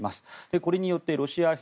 これによってロシア兵